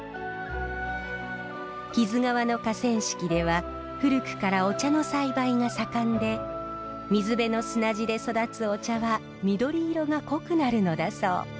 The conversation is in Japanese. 木津川の河川敷では古くからお茶の栽培が盛んで水辺の砂地で育つお茶は緑色が濃くなるのだそう。